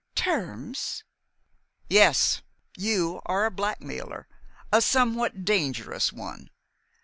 "Terms?" "Yes. You are a blackmailer, a somewhat dangerous one.